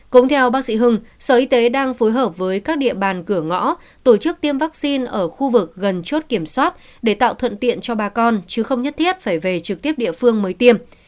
cũng theo bác sĩ hưng sở y tế đang phối hợp với các địa bàn cửa ngõ tổ chức tiêm vaccine ở khu vực gần chốt kiểm soát để tạo thuận tiện cho bà con chứ không nhất thiết phải về trực tiếp địa phương mới tiêm